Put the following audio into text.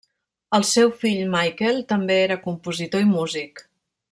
El seu fill Michael també era compositor i músic.